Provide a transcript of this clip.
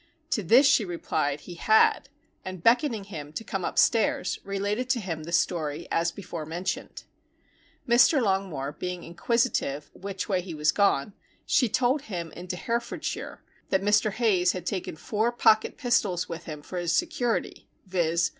_ To this she replied, he had, and beckoning him to come upstairs, related to him the story as before mentioned. Mr. Longmore being inquisitive which way he was gone, she told him into Herefordshire, that Mr. Hayes had taken four pocket pistols with him for his security, viz.